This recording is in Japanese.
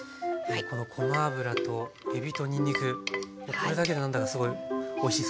このごま油とえびとにんにくこれだけで何だかすごいおいしそう。